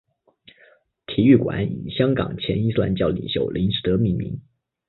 体育馆以香港前伊斯兰教领袖林士德命名。